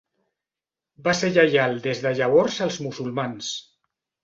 Va ser lleial des de llavors als musulmans.